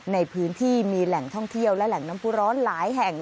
ในพื้นที่มีแหล่งท่องเที่ยวและแหล่งน้ำผู้ร้อนหลายแห่ง